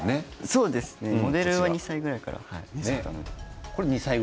そうですねモデルを２歳ぐらいから。